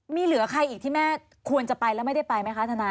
มีเหลือใครอีกที่แม่ควรจะไปแล้วไม่ได้ไปไหมคะทนาย